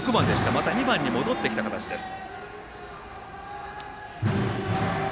また２番に戻ってきた形です。